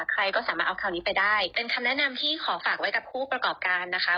ใครก็สามารถเอาเครื่องหมายการค้านี้ไปได้เป็นคำน่านำที่ขอฝากไว้กับผู้ประกอบการนะคะ